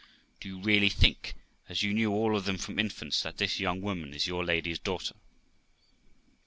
Do you really think, as you knew all of them from infants, that this young woman is your lady's daughter?'